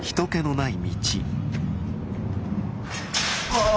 ああ。